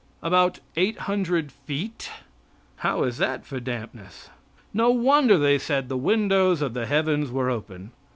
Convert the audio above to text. About eight hundred feet. How is that for dampness? No wonder they said the windows of the heavens were open.